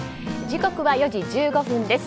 時刻は４時１５分です。